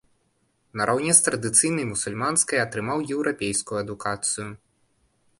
Нараўне з традыцыйнай мусульманскай атрымаў еўрапейскую адукацыю.